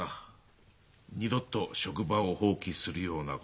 二度と職場を放棄するようなことはしないと。